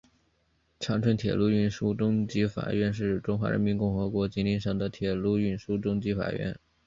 长春铁路运输中级法院是中华人民共和国吉林省的铁路运输中级法院。